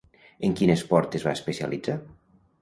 En quin esport es va especialitzar?